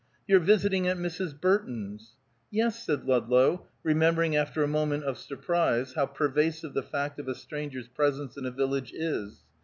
"You're visiting at Mrs. Burton's." "Yes," said Ludlow, remembering after a moment of surprise how pervasive the fact of a stranger's presence in a village is.